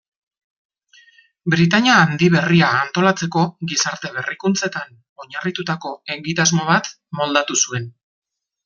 Britainia Handi berria antolatzeko gizarte-berrikuntzetan oinarritutako egitasmo bat moldatu zuen.